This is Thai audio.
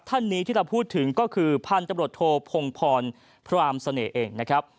ท่านนี้ที่เราพูดถึงก็คือพันธุ์ตำรวจโทพงพรพรามเสน่ห์เองนะครับ